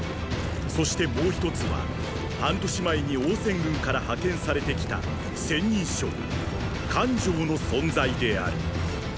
そしてもう一つは半年前に王翦軍から派遣されて来た千人将関常の存在である。